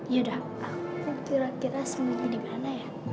yaudah aku kira kira sembunyi di mana ya